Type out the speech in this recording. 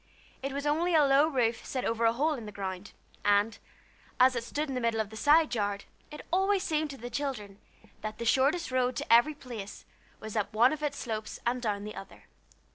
It was only a low roof set over a hole in the ground, and, as it stood in the middle of the side yard, it always seemed to the children that the shortest road to every place was up one of its slopes and down the other.